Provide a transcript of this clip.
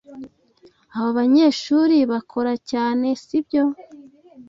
Abo banyeshuri bakora cyane, sibyo?